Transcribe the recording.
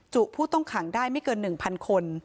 ผู้ต้องขังได้ไม่เกิน๑๐๐คน